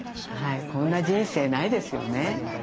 こんな人生ないですよね。